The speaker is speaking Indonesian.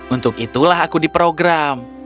untuk itulah aku diprogram